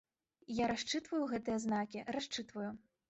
Я расчытваю гэтыя знакі, расчытваю.